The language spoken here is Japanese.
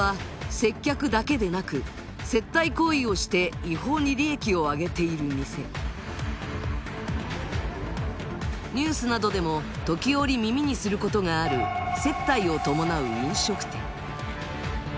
接客だけでなく接待行為をして違法に利益を上げている店ニュースなどでも時折耳にすることがある接待を伴う飲食店